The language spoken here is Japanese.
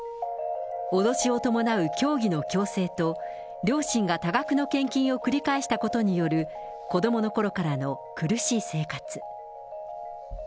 脅しを伴う教義の強制と、両親が多額の献金を繰り返したことによる子どものころからの苦しい生活。